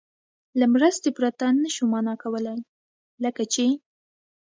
له مرستې پرته نه شو مانا کولای، لکه چې